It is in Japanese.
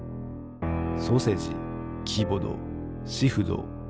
ソセジキボドシフド。